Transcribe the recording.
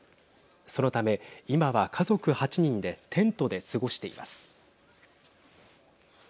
そのため今は家族８人でテントで過ごしています。